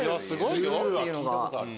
すごいよ！